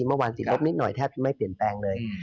เมื่อวานติดลบนิดหน่อยแทบจะไม่เปลี่ยนแปลงเลย